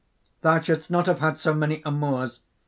"Thou shouldst not have had so many amours!